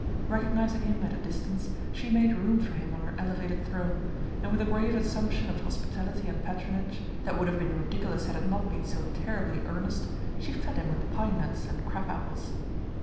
Recognizing him at a distance, she made room for him on her elevated throne, and with a grave assumption of hospitality and patronage that would have been ridiculous had it not been so terribly earnest, she fed him with pine nuts and crab apples.